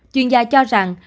chuyên gia cho rằng